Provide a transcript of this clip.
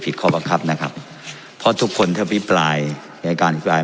ข้อบังคับนะครับเพราะทุกคนถ้าพิปรายในการอภิปราย